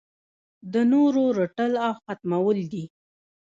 د نورو رټل او ختمول دي.